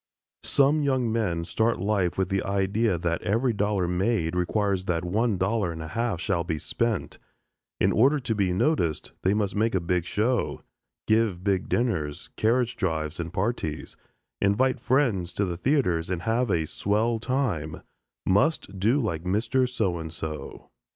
Some young men start life with the idea that every dollar made requires that one dollar and a half shall be spent; in order to be noticed they must make a big show, give big dinners, carriage drives, and parties, invite friends to the theaters, and have a "swell" time; must do like Mr. "So and So."